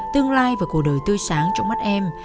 tương lai và cuộc đời tươi sáng trong mắt em